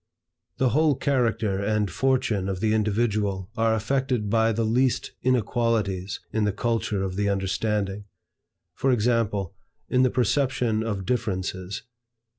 The whole character and fortune of the individual are affected by the least inequalities in the culture of the understanding; for example, in the perception of differences.